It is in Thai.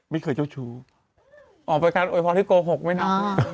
ไม่เคยเจ้าชู้อ๋อเป็นการอวยฟ้อนที่โกหกไหมนะ